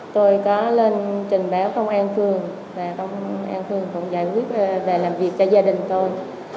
tôi có lên trình báo công an phường và công an phường cũng giải quyết về làm việc cho gia đình tôi